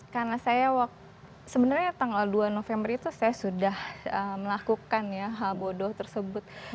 karena saya sebenarnya tanggal dua november itu saya sudah melakukan ya hal bodoh tersebut